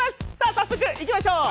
早速いきましょう。